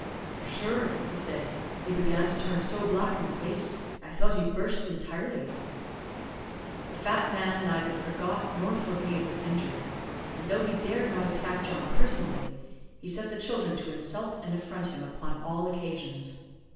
"For shure," he said, "he began to turn so black in the face, I thought he'd burst intirely." The fat man neither forgot nor forgave this injury; and though he dared not attack John personally, he set the children to insult and affront him upon all occasions.